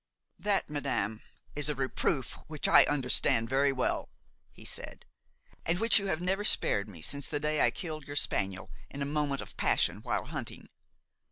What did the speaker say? "That, madame, is a reproof which I understand very well," he said, "and which you have never spared me since that day that I killed your spaniel in a moment of passion while hunting.